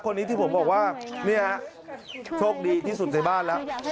ช่วงนี้ผมจึงบอกว่าโชคดีที่สุดในบ้าน